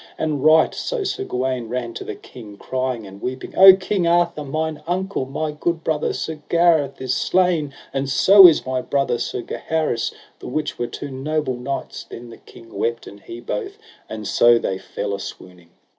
And right so Sir Gawaine ran to the king, crying and weeping: O King Arthur, mine uncle, my good brother Sir Gareth is slain, and so is my brother Sir Gaheris, the which were two noble knights. Then the king wept, and he both; and so they fell a swooning.